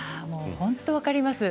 本当に分かります。